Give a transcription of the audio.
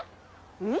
うん？